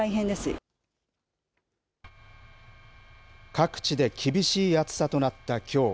各地で厳しい暑さとなったきょう。